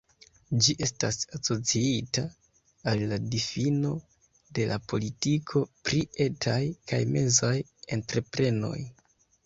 Ĝi estas asociita al la difino de la politiko pri etaj kaj mezaj entreprenoj.